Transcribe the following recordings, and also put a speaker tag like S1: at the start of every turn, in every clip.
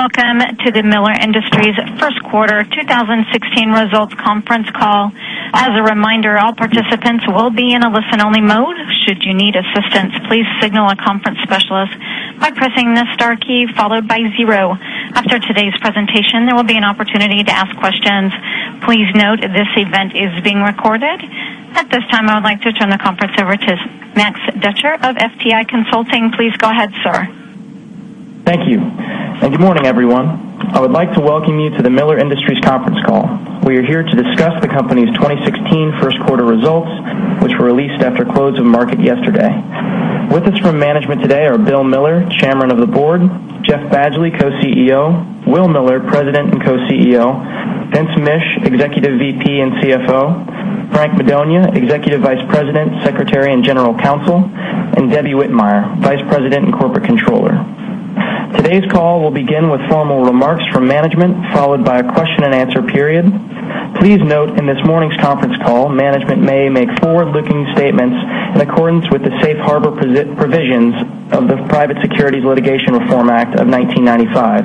S1: Welcome to the Miller Industries first quarter 2016 results conference call. As a reminder, all participants will be in a listen-only mode. Should you need assistance, please signal a conference specialist by pressing the star key followed by 0. After today's presentation, there will be an opportunity to ask questions. Please note this event is being recorded. At this time, I would like to turn the conference over to Max Dutcher of FTI Consulting. Please go ahead, sir.
S2: Thank you. Good morning, everyone. I would like to welcome you to the Miller Industries conference call. We are here to discuss the company's 2016 first quarter results, which were released after close of market yesterday. With us from management today are Bill Miller, Chairman of the Board, Jeff Badgley, Co-CEO, Will Miller, President and Co-CEO, Vince Mish, Executive VP and CFO, Frank Madonia, Executive Vice President, Secretary, and General Counsel, and Debbie Whitmire, Vice President and Corporate Controller. Today's call will begin with formal remarks from management, followed by a question and answer period. Please note, in this morning's conference call, management may make forward-looking statements in accordance with the safe harbor provisions of the Private Securities Litigation Reform Act of 1995.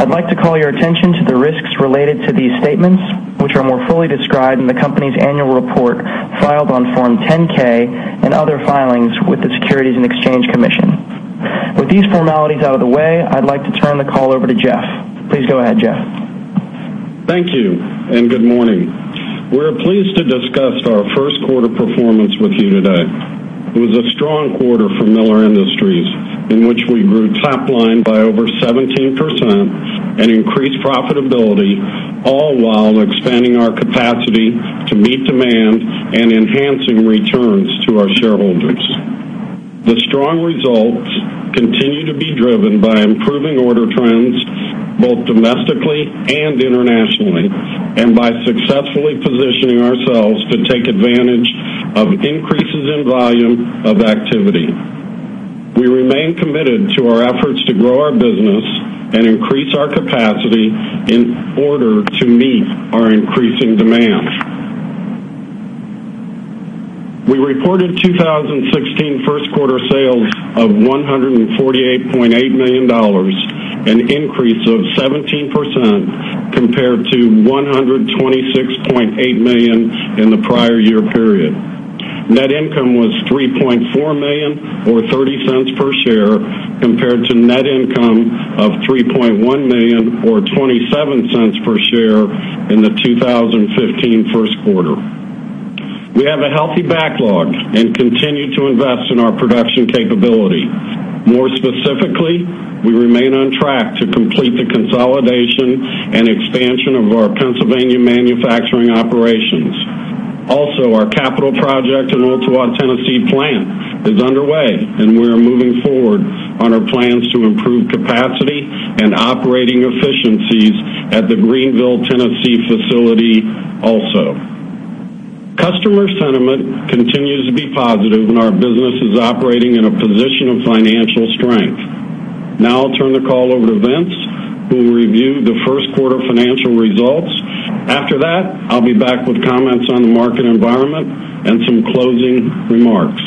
S2: I'd like to call your attention to the risks related to these statements, which are more fully described in the company's annual report filed on Form 10-K and other filings with the Securities and Exchange Commission. With these formalities out of the way, I'd like to turn the call over to Jeff. Please go ahead, Jeff.
S3: Thank you. Good morning. We're pleased to discuss our first quarter performance with you today. It was a strong quarter for Miller Industries, in which we grew top line by over 17% and increased profitability, all while expanding our capacity to meet demand and enhancing returns to our shareholders. The strong results continue to be driven by improving order trends, both domestically and internationally, and by successfully positioning ourselves to take advantage of increases in volume of activity. We remain committed to our efforts to grow our business and increase our capacity in order to meet our increasing demand. We reported 2016 first quarter sales of $148.8 million, an increase of 17% compared to $126.8 million in the prior year period. Net income was $3.4 million, or $0.30 per share, compared to net income of $3.1 million, or $0.27 per share in the 2015 first quarter. We have a healthy backlog and continue to invest in our production capability. More specifically, we remain on track to complete the consolidation and expansion of our Pennsylvania manufacturing operations. Also, our capital project in Ooltewah, Tennessee plant is underway, and we are moving forward on our plans to improve capacity and operating efficiencies at the Greeneville, Tennessee facility also. Customer sentiment continues to be positive, and our business is operating in a position of financial strength. Now I'll turn the call over to Vince, who will review the first quarter financial results. After that, I'll be back with comments on the market environment and some closing remarks.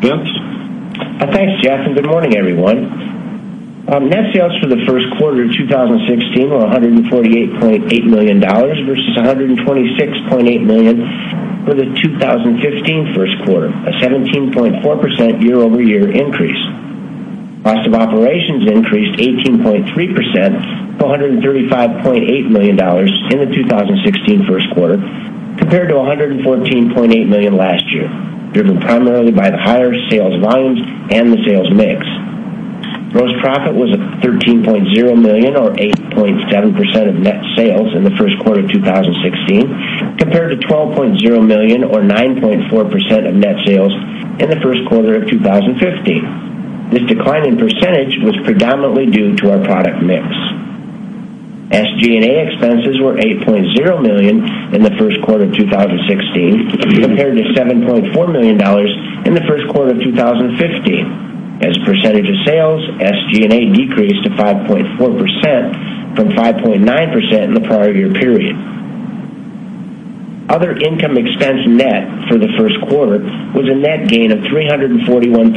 S3: Vince?
S4: Thanks, Jeff, and good morning, everyone. Net sales for the first quarter of 2016 were $148.8 million versus $126.8 million for the 2015 first quarter, a 17.4% year-over-year increase. Cost of operations increased 18.3% to $135.8 million in the 2016 first quarter, compared to $114.8 million last year, driven primarily by the higher sales volumes and the sales mix. Gross profit was $13.0 million, or 8.7% of net sales in the first quarter of 2016, compared to $12.0 million, or 9.4% of net sales in the first quarter of 2015. This decline in percentage was predominantly due to our product mix. SG&A expenses were $8.0 million in the first quarter of 2016 compared to $7.4 million in the first quarter of 2015. As a percentage of sales, SG&A decreased to 5.4% from 5.9% in the prior year period. Other income expense net for the first quarter was a net gain of $341,000,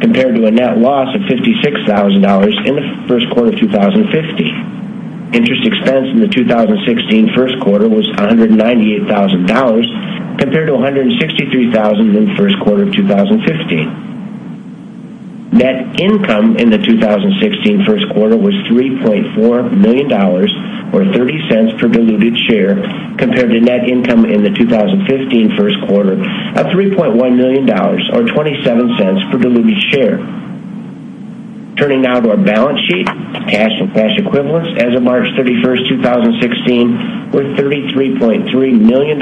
S4: compared to a net loss of $56,000 in the first quarter of 2015. Interest expense in the 2016 first quarter was $198,000, compared to $163,000 in the first quarter of 2015. Net income in the 2016 first quarter was $3.4 million, or $0.30 per diluted share, compared to net income in the 2015 first quarter of $3.1 million, or $0.27 per diluted share. Turning now to our balance sheet. Cash and cash equivalents as of March 31st, 2016, were $33.3 million,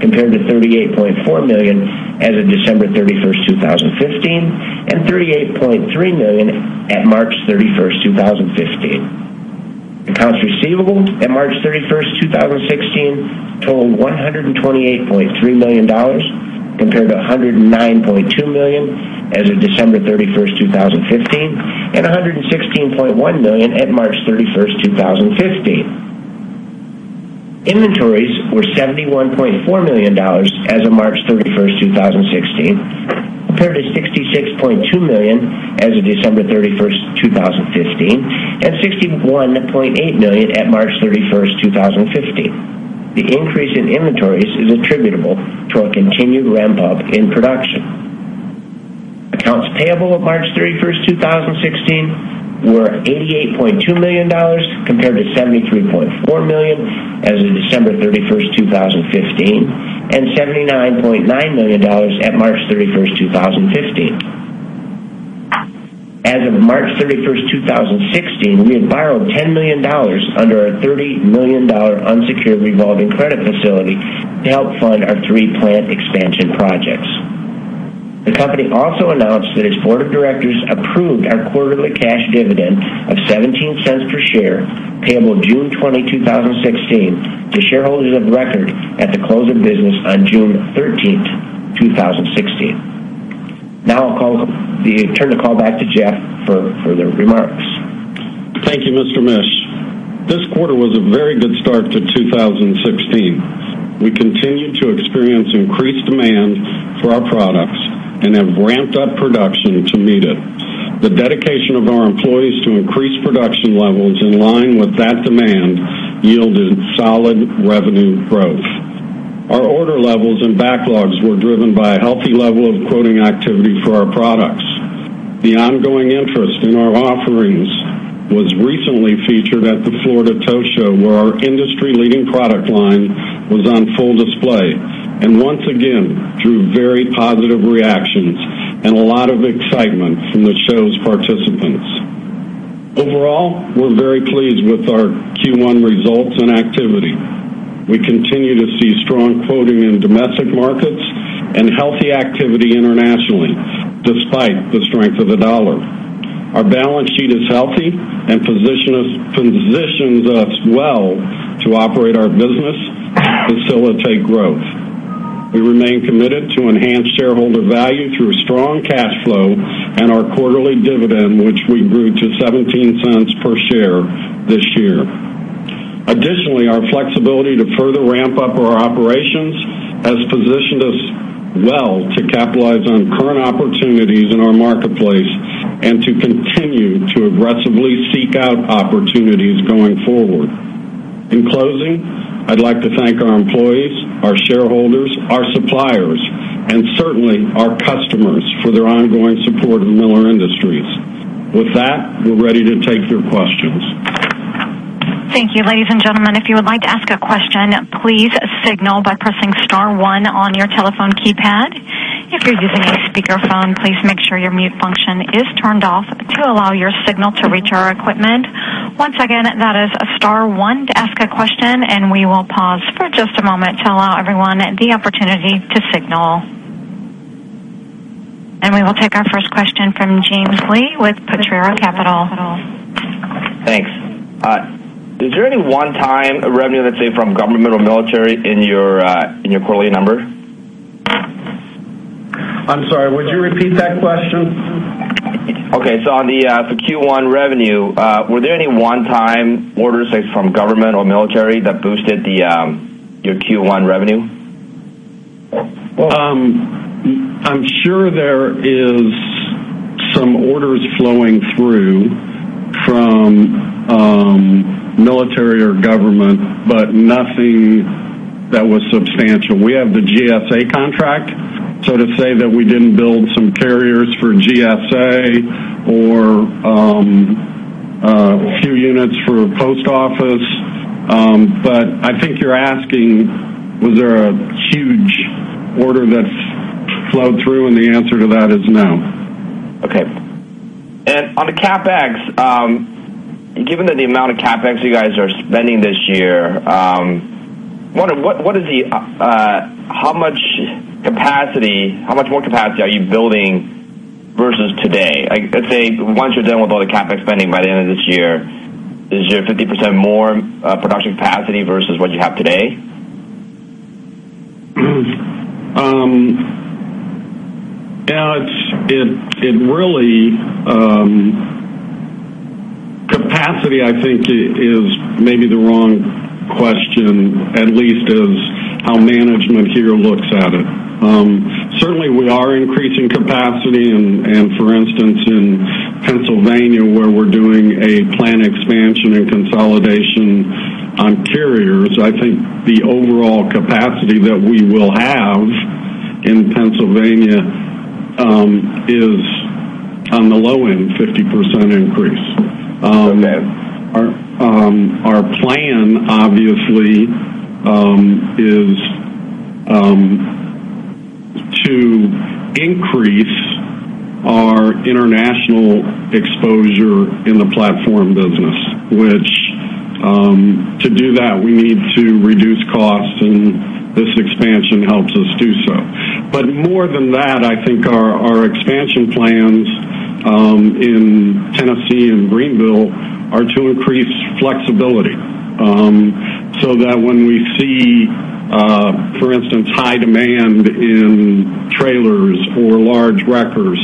S4: compared to $38.4 million as of December 31st, 2015, and $38.3 million at March 31st, 2015. Accounts receivable at March 31st, 2016, totaled $128.3 million, compared to $109.2 million as of December 31st, 2015, and $116.1 million at March 31st, 2015. Inventories were $71.4 million as of March 31st, 2016, compared to $66.2 million as of December 31st, 2015, and $61.8 million at March 31st, 2015. The increase in inventories is attributable to a continued ramp up in production. Accounts payable of March 31st, 2016 were $88.2 million, compared to $73.4 million as of December 31st, 2015, and $79.9 million at March 31st, 2015. As of March 31st, 2016, we had borrowed $10 million under our $30 million unsecured revolving credit facility to help fund our three-plant expansion projects. The company also announced that its board of directors approved our quarterly cash dividend of $0.17 per share, payable June 20, 2016, to shareholders of record at the close of business on June 13th, 2016. Now, I'll turn the call back to Jeff for further remarks.
S3: Thank you, Mr. Mish. This quarter was a very good start to 2016. We continued to experience increased demand for our products and have ramped up production to meet it. The dedication of our employees to increase production levels in line with that demand yielded solid revenue growth. Our order levels and backlogs were driven by a healthy level of quoting activity for our products. The ongoing interest in our offerings was recently featured at the Florida Tow Show, where our industry-leading product line was on full display, and once again, drew very positive reactions and a lot of excitement from the show's participants. Overall, we're very pleased with our Q1 results and activity. We continue to see strong quoting in domestic markets and healthy activity internationally, despite the strength of the dollar. Our balance sheet is healthy and positions us well to operate our business and facilitate growth. We remain committed to enhance shareholder value through strong cash flow and our quarterly dividend, which we grew to $0.17 per share this year. Our flexibility to further ramp up our operations has positioned us well to capitalize on current opportunities in our marketplace and to continue to aggressively seek out opportunities going forward. In closing, I'd like to thank our employees, our shareholders, our suppliers, and certainly our customers for their ongoing support of Miller Industries. With that, we're ready to take your questions.
S1: Thank you, ladies and gentlemen. If you would like to ask a question, please signal by pressing star one on your telephone keypad. If you're using a speakerphone, please make sure your mute function is turned off to allow your signal to reach our equipment. Once again, that is star one to ask a question, and we will pause for just a moment to allow everyone the opportunity to signal. We will take our first question from James Lee with Potrero Capital.
S5: Thanks. Is there any one-time revenue, let's say, from government or military in your quarterly numbers?
S3: I'm sorry, would you repeat that question?
S5: Okay. On the Q1 revenue, were there any one-time orders, say, from government or military that boosted your Q1 revenue?
S3: I'm sure there is some orders flowing through from military or government, but nothing that was substantial. We have the GSA contract, so to say that we didn't build some carriers for GSA or a few units for post office. I think you're asking was there a huge order that flowed through, and the answer to that is no.
S5: Okay. On the CapEx, given that the amount of CapEx you guys are spending this year, how much more capacity are you building versus today? Let's say once you're done with all the CapEx spending by the end of this year, is it 50% more production capacity versus what you have today?
S3: Capacity, I think, is maybe the wrong question, at least as how management here looks at it. Certainly, we are increasing capacity, for instance, in Pennsylvania, where we're doing a plant expansion and consolidation on carriers. I think the overall capacity that we will have in Pennsylvania is on the low end, 50% increase.
S5: Okay.
S3: Our plan, obviously, is to increase our international exposure in the platform business, which to do that, we need to reduce costs, and this expansion helps us do so. More than that, I think our expansion plans in Tennessee and Greenville are to increase flexibility, so that when we see, for instance, high demand in trailers or large wreckers,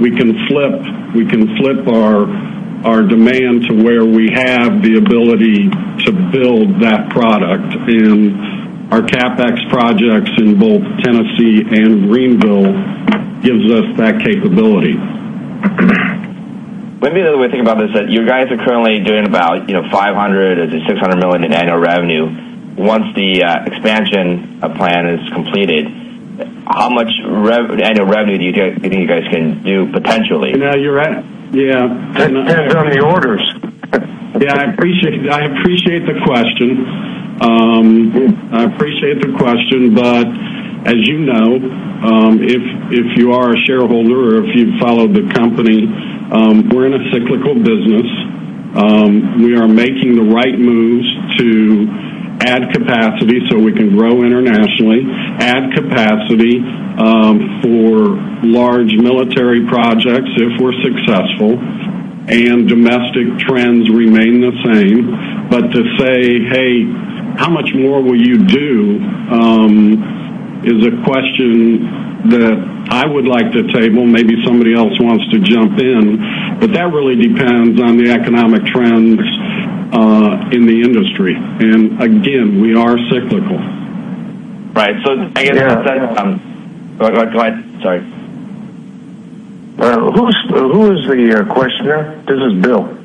S3: we can flip our demand to where we have the ability to build that product. Our CapEx projects in both Tennessee and Greenville gives us that capability.
S5: Let me know the way to think about this, that you guys are currently doing about $500 million or $600 million in annual revenue. Once the expansion plan is completed, how much annual revenue do you think you guys can do potentially?
S3: You're right. Yeah.
S6: That depends on the orders.
S3: Yeah, I appreciate the question. As you know, if you are a shareholder or if you follow the company, we're in a cyclical business. We are making the right moves to add capacity so we can grow internationally, add capacity for large military projects if we're successful, domestic trends remain the same. To say, "Hey, how much more will you do?" is a question that I would like to table. Maybe somebody else wants to jump in, but that really depends on the economic trends in the industry. Again, we are cyclical.
S5: Right.
S3: Yeah.
S5: Go ahead. Sorry.
S6: Who is the questioner? This is Bill.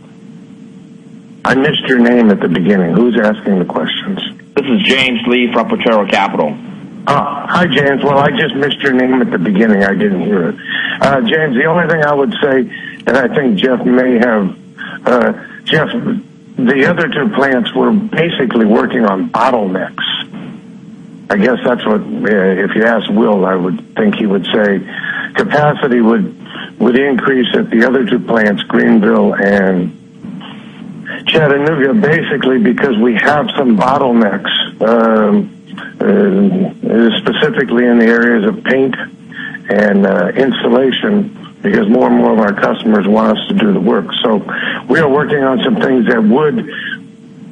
S6: I missed your name at the beginning. Who's asking the questions?
S5: This is James Lee from Potrero Capital.
S6: Oh. Hi, James. Well, I just missed your name at the beginning. I didn't hear it. James, the only thing I would say, I think Jeff may have, the other two plants were basically working on bottlenecks. If you ask Will, I would think he would say capacity would increase at the other two plants, Greenville and Chattanooga, basically because we have some bottlenecks, specifically in the areas of paint and installation, because more and more of our customers want us to do the work. We are working on some things that would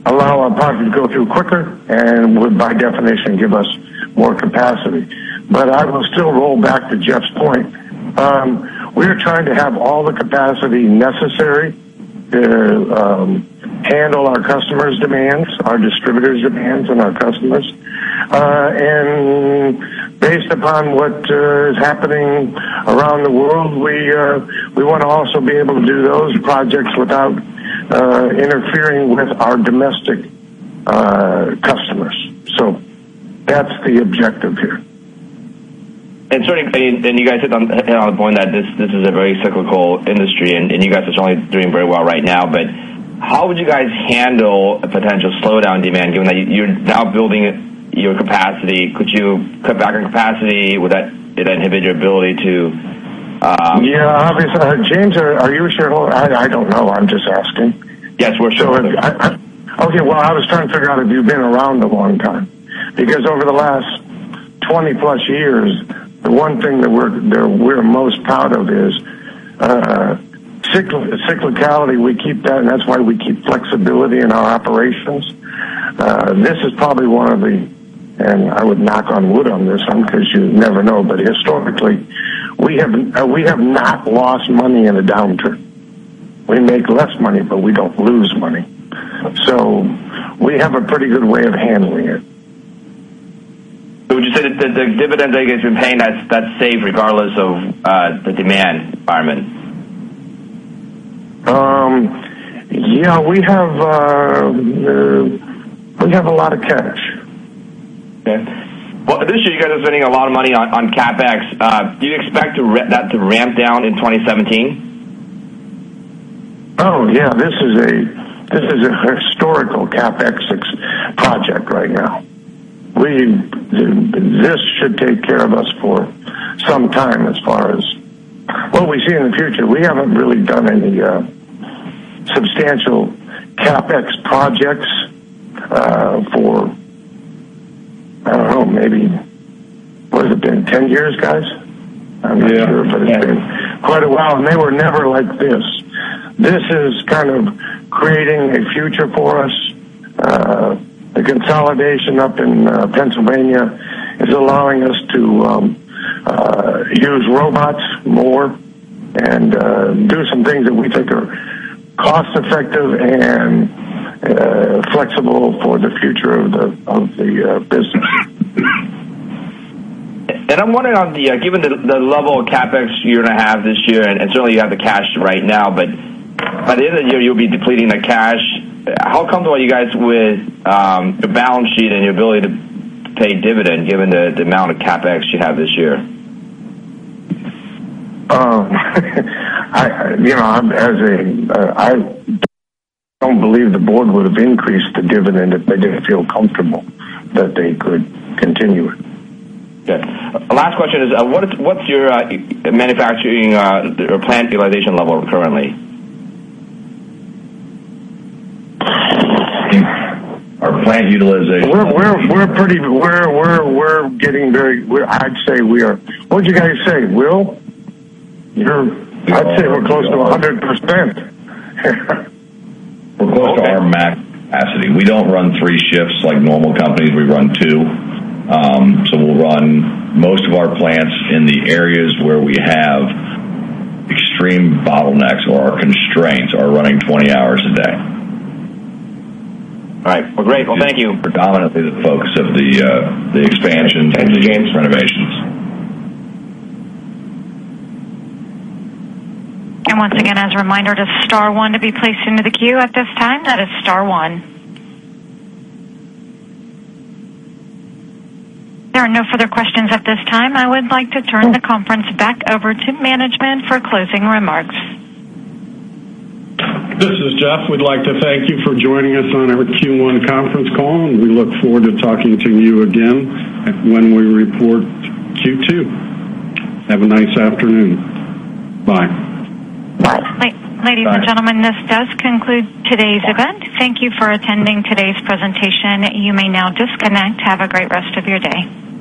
S6: allow our product to go through quicker and would, by definition, give us more capacity. I will still roll back to Jeff's point. We are trying to have all the capacity necessary to handle our customers' demands, our distributors' demands, and our customers. Based upon what is happening around the world, we want to also be able to do those projects without interfering with our domestic customers. That's the objective here.
S5: You guys hit on the point that this is a very cyclical industry, you guys are certainly doing very well right now. How would you guys handle a potential slowdown in demand, given that you're now building your capacity? Could you cut back on capacity? Would that inhibit your ability to?
S6: Yeah. James, are you a shareholder? I don't know. I'm just asking.
S5: Yes, we're shareholders.
S6: Okay. Well, I was trying to figure out if you've been around a long time, because over the last 20-plus years, the one thing that we're most proud of is cyclicality. We keep that, and that's why we keep flexibility in our operations. This is probably, and I would knock on wood on this one because you never know, but historically, we have not lost money in a downturn. We make less money, but we don't lose money. We have a pretty good way of handling it.
S5: Would you say that the dividend that you've been paying, that's safe regardless of the demand environment?
S6: Yeah, we have a lot of cash.
S5: Okay. Well, this year you guys are spending a lot of money on CapEx. Do you expect that to ramp down in 2017?
S6: Oh, yeah. This is a historical CapEx project right now. This should take care of us for some time as far as what we see in the future. We haven't really done any substantial CapEx projects for, I don't know, maybe, what has it been, 10 years, guys?
S3: Yeah.
S6: I'm not sure, but it's been quite a while, and they were never like this. This is kind of creating a future for us. The consolidation up in Pennsylvania is allowing us to use robots more and do some things that we think are cost-effective and flexible for the future of the business.
S5: I'm wondering, given the level of CapEx you're going to have this year, and certainly you have the cash right now, but by the end of the year, you'll be depleting the cash. How comfortable are you guys with the balance sheet and your ability to pay dividend given the amount of CapEx you have this year?
S6: I don't believe the board would have increased the dividend if they didn't feel comfortable that they could continue it.
S5: Okay. Last question is, what's your manufacturing or plant utilization level currently?
S3: Our plant utilization.
S6: What'd you guys say, Will? I'd say we're close to 100%.
S3: We're close to our capacity. We don't run three shifts like normal companies. We run two. We'll run most of our plants in the areas where we have extreme bottlenecks or constraints are running 20 hours a day.
S5: All right. Well, great. Well, thank you.
S3: Predominantly the focus of the expansion.
S4: Thank you, James.
S3: The renovations.
S1: Once again, as a reminder, to star one to be placed into the queue at this time. That is star one. There are no further questions at this time. I would like to turn the conference back over to management for closing remarks.
S3: This is Jeff. We'd like to thank you for joining us on our Q1 conference call, and we look forward to talking to you again when we report Q2. Have a nice afternoon. Bye.
S5: Bye.
S1: Ladies and gentlemen.
S3: Bye
S1: This does conclude today's event. Thank you for attending today's presentation. You may now disconnect. Have a great rest of your day.